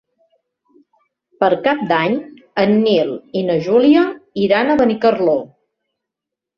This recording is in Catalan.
Per Cap d'Any en Nil i na Júlia iran a Benicarló.